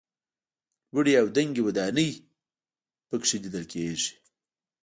لوړې او دنګې ودانۍ په کې لیدل کېږي.